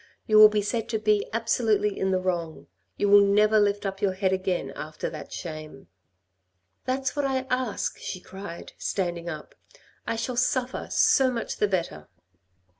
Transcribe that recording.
You will be said to be absolutely in the wrong. You will never lift up your head again after that shame." " That's what I ask," she cried, standing up. " I shall suffer, so much the better."